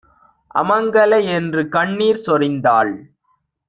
அமங்கலை" என்றுகண் ணீர்சொரிந்தாள்!